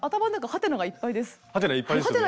ハテナいっぱいですよね。